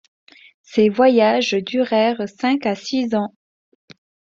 Ses voyages durèrent cinq à six ans.